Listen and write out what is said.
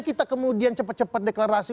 kita kemudian cepat cepat deklarasi